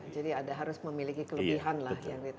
jadi ada harus memiliki kelebihan lah